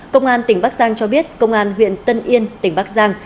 công an tỉnh bắc giang cho biết công an huyện tân yên tỉnh bắc giang